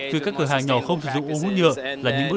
từ các cửa hàng nhỏ không sử dụng ống út nhựa